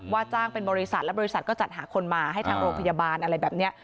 จ้างเป็นบริษัทและบริษัทก็จัดหาคนมาให้ทางโรงพยาบาลอะไรแบบนี้